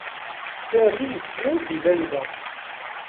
Sami yesla-d i Layla.